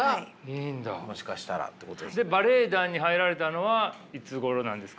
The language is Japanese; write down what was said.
バレエ団に入られたのはいつごろなんですか。